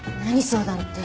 相談って。